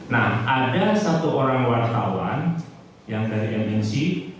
nah ada satu orang wartawan yang dari mnc